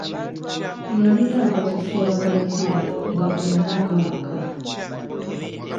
Yalina akasusu akanyirira nga konna kaaka!